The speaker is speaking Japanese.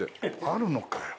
あるのかよ。